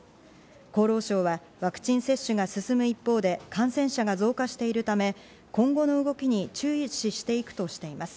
厚労省はワクチン接種が進む一方で感染者が増加しているため、今後の動きに注視していくとしています。